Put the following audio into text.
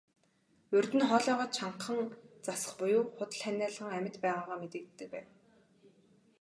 Урьд нь хоолойгоо чангахан засах буюу худал ханиалган амьд байгаагаа мэдэгддэг байв.